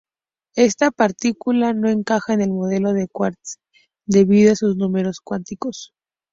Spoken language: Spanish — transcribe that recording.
Esta partícula no encaja en el modelo de quarks debido a sus números cuánticos.